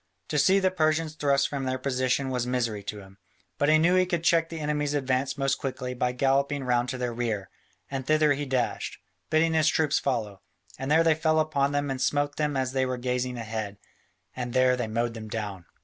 To see the Persians thrust from their position was misery to him, but he knew he could check the enemy's advance most quickly by galloping round to their rear, and thither he dashed, bidding his troops follow, and there they fell upon them and smote them as they were gazing ahead, and there they mowed them down.